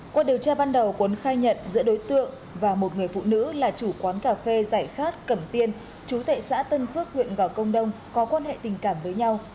qua điều tra ban đầu quấn khai nhận giữa đối tượng và một người phụ nữ là chủ quán cà phê giải khát cẩm tiên chú tệ xã tân phước huyện gò công đông có quan hệ tình cảm với nhau